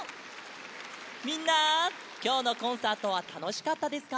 みんなきょうのコンサートはたのしかったですか？